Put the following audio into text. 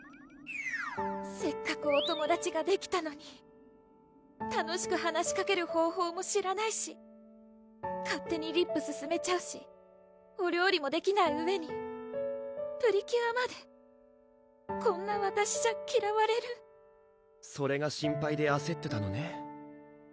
せっかくお友達ができたのに楽しく話しかける方法も知らないし勝手にリップすすめちゃうしお料理もできないうえにプリキュアまでこんなわたしじゃきらわれるそれが心配であせってたのね